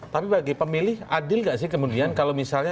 tapi bagi pemilih adil gak sih kemudian kalau misalnya